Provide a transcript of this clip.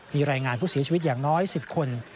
มีรายงานผู้เสียชีวิตอย่างน้อย๑๐คน